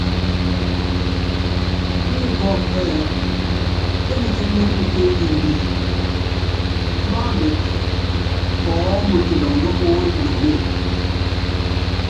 Wú kɔ́ɔ́pú ɛ́ɛ́: Enutúnúkú ké enyimbí, nuámbitɛ kɔɔ́mu kilɔndɔ oolinonée.